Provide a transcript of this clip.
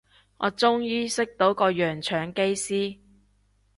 我終於識到個洋腸機師